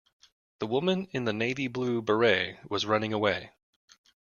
The woman in the navy blue beret was running away.